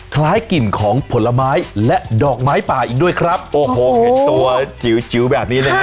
คล้ายกลิ่นของผลไม้และดอกไม้ป่าอีกด้วยครับโอ้โหเห็นตัวจิ๋วจิ๋วแบบนี้นะฮะ